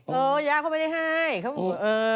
เออยาเขาไม่ได้ให้